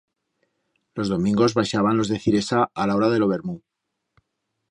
Los domingos baixaban los de Ciresa a la hora de lo vermut.